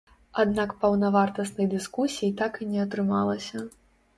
Аднак паўнавартаснай дыскусіі так і не атрымалася.